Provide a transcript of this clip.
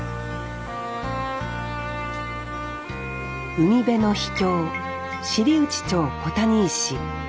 海辺の秘境知内町小谷石。